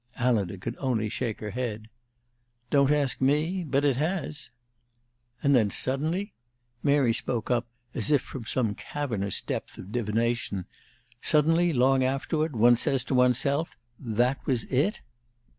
Alida could only shake her head. "Don't ask me. But it has." "And then suddenly " Mary spoke up as if from some cavernous depth of divination "suddenly, long afterward, one says to one's self, 'That was it?